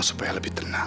biar supaya lebih tenang